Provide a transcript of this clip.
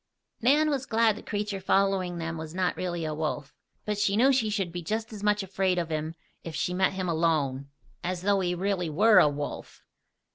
Nan was glad the creature following them was not really a wolf; but she knew she should be just as much afraid of him if she met him alone, as though he really were a wolf.